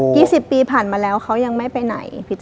ี่สิบปีผ่านมาแล้วเขายังไม่ไปไหน